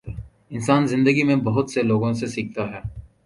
انسان زندگی میں بہت سے لوگوں سے سیکھتا ہے۔